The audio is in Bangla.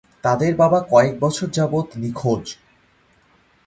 তাদের বাবা কয়েক বছর যাবৎ নিখোঁজ।